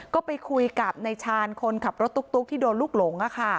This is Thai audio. ก็ไปคุยกับนายชาญคนขับรถตุ๊กที่โดนลูกหลง